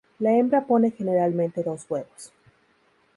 La hembra pone generalmente dos huevos.